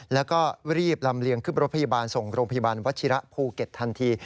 แล้วก็รีบลำเลียงขึ้นรถพยาบาลส่งโรงพยาบาลวัชิระภูเก็ตทันที